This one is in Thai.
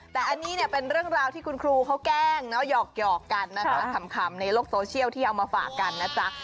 แต่อันนี้เนี่ยเป็นเรื่องราวที่คุณครูเขาแกล้งหยอกกันนะคะขำในโลกโซเชียลที่เอามาฝากกันนะจ๊ะ